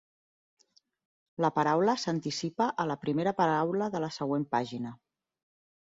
La paraula s'anticipa a la primera paraula de la següent pàgina.